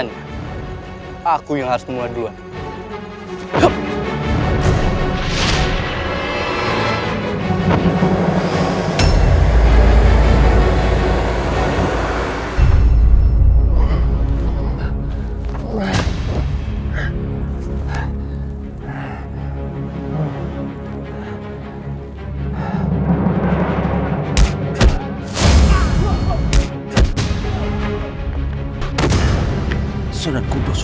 dianggap sebagai penjara makhlukheitsi